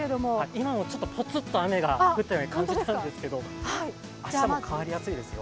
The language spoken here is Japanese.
今もぽつっと雨が降っている感じなんですけれども、明日も変わりやすいですよ。